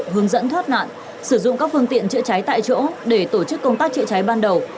hướng dẫn thoát nạn sử dụng các phương tiện chữa cháy tại chỗ để tổ chức công tác chữa cháy ban đầu